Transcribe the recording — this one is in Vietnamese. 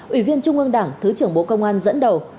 ủy viên trung ương đảng thứ trưởng bộ công an dẫn đầu